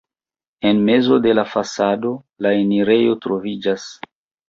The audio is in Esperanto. En mezo de la fasado la enirejo troviĝas.